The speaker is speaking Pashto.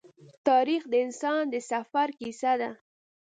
تاریخ د انسان د سفر کیسه ده.